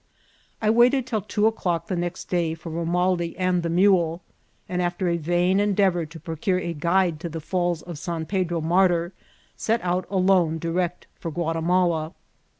I waited till two o'clock the next day for Romaldi and the mule, and, after a Tain endeavour to procure a guide to the falls of San Pedro Martyr, set out alone direct for Ghiatimala.